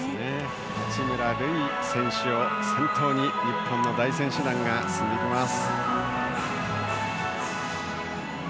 八村塁選手を先頭に日本の大選手団が進みます。